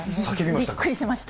びっくりしました。